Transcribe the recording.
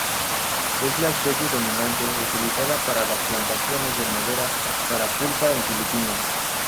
Es la especie dominante utilizada para las plantaciones de madera para pulpa en Filipinas.